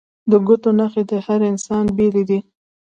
د ګوتو نښې د هر انسان بیلې دي